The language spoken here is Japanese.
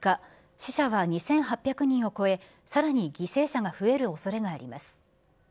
死者は２８００人を超え、さらに犠牲者が増えるおそれがあります。